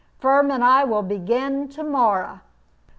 Firm and I will begin tomorrow."